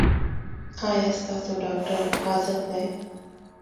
ایا ستاسو ډاکټر حاذق دی؟